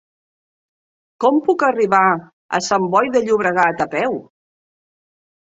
Com puc arribar a Sant Boi de Llobregat a peu?